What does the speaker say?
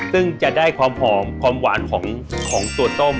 ซึ่งจะได้ความหอมความหวานของตัวต้ม